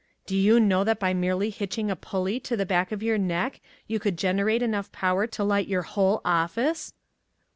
Do you know that by merely hitching a pulley to the back of your neck you could generate enough power to light your whole office?"